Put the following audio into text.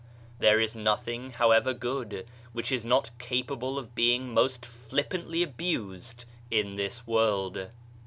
There is nothing, however good, which is not cap able of being most flippantly abused in this world.